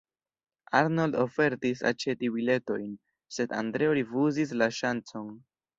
Arnold ofertis aĉeti biletojn, sed Andreo rifuzis la ŝancon.